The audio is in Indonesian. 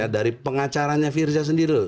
dari pengacaranya firza sendiri loh